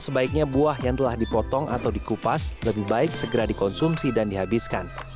sebaiknya buah yang telah dipotong atau dikupas lebih baik segera dikonsumsi dan dihabiskan